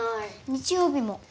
日曜日も。